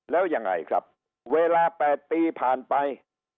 แล้วยังไงครับเวลา๘ปีผ่านไป